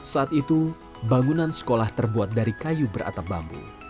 saat itu bangunan sekolah terbuat dari kayu beratap bambu